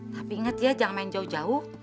tapi ingat ya jangan main jauh jauh